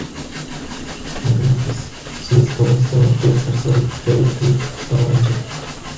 Natalie has since gone solo with her solo debut being "Urban Angel".